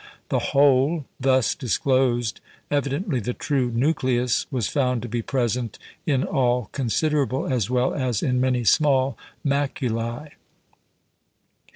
The hole thus disclosed evidently the true nucleus was found to be present in all considerable, as well as in many small maculæ.